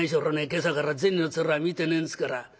今朝から銭の面見てねえんですから。